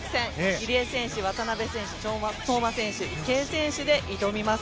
入江選手、渡辺選手、相馬選手池江選手で挑みます。